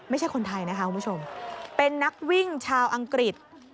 ไม่ใช่คนไทยนะคะคุณผู้ชมเป็นนักวิ่งชาวอังกฤษ